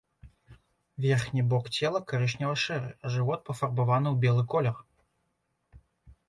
Верхні бок цела карычнева-шэры, а жывот пафарбаваны ў белы колер.